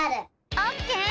オッケー！